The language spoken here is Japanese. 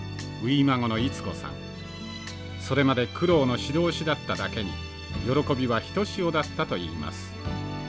それまで苦労のし通しだっただけに喜びはひとしおだったといいます。